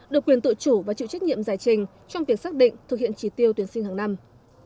được quyền tự chủ và chịu trách nhiệm giải trình trong việc xác định thực hiện chỉ tiêu tuyển sinh hàng năm